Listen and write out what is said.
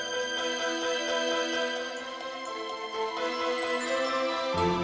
parknert podeem betaing kita bersama jepang